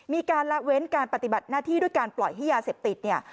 มีการละเว้นการปฏิบัติหน้าที่ด้วยการปล่อยให้ยาเสพติดเนี่ย